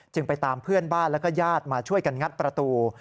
ไปตามเพื่อนบ้านแล้วก็ญาติมาช่วยกันงัดประตู